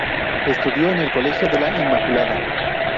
Estudió en el Colegio de la Inmaculada.